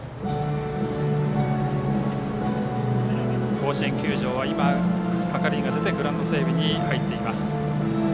甲子園球場は今、係員が出てグラウンド整備に入っています。